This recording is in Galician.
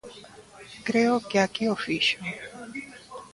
Creo que aquí o fixo.